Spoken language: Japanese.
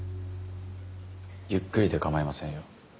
ゆっくりで構いませんよ。